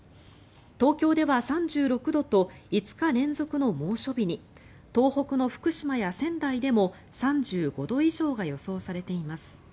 東京では３６度と５日連続の猛暑日に東北の福島や仙台でも３５度以上が予想されています。